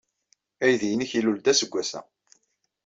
Aydi-nnek ilul-d aseggas-a.